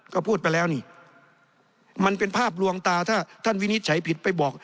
ก็พูดไปแล้วนี่มันเป็นภาพลวงตาถ้าท่านวินิจฉัยผิดไปบอก